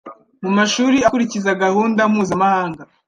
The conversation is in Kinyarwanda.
mu mashuri akurikiza gahunda mpuzamahanga,